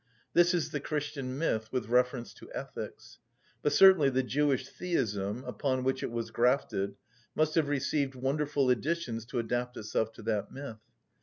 This is the Christian myth with reference to ethics. But certainly the Jewish theism, upon which it was grafted, must have received wonderful additions to adapt itself to that myth.